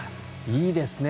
いいですね。